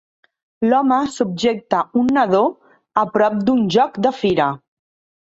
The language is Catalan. L'home subjecta un nadó a prop d'un joc de fira.